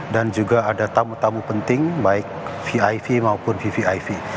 dan juga ada tamu tamu penting baik viv maupun vviv